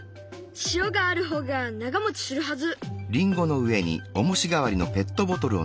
塩がある方が長もちするはず。